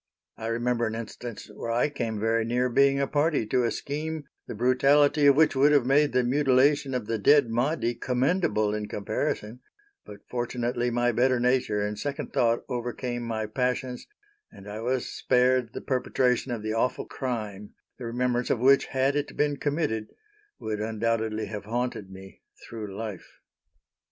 I remember an instance where I came very near being a party to a scheme, the brutality of which would have made the mutilation of the dead Mahdi commendable in comparison; but fortunately my better nature and second thought overcame my passions, and I was spared the perpetration of the awful crime, the remembrance of which, had it been committed, would undoubtedly have haunted me through life.